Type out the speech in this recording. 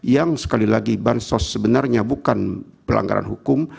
yang sekali lagi bansos sebenarnya bukan pelanggaran hukum